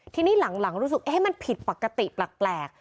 ทีนี้หลังรู้สึกมันผิดปกติแปลก